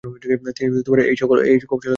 তিনি এই কৌশল শেখান।